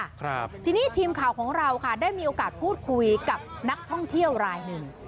ครับทีนี้ทีมข่าวของเราค่ะได้มีโอกาสพูดคุยกับนักท่องเที่ยวรายหนึ่ง